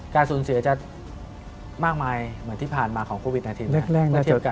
การสูญเสียจะมากมายเหมือนที่ผ่านมาของโควิด๑๙